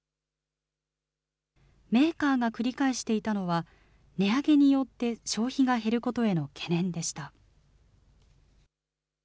メーカーが繰り返していたのは、値上げによって消費が減ることへの懸念でした。